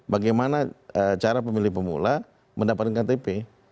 bagaimana cara pemilih pemula mendapatkan ktp